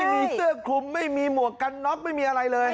ไม่มีเสื้อคลุมไม่มีหมวกกันน็อกไม่มีอะไรเลย